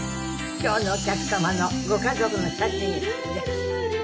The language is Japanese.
今日のお客様のご家族の写真です。